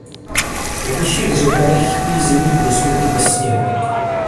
Na vyšších hřebenech chybí zimní průsmyky bez sněhu.